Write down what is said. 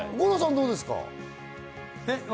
どうですか？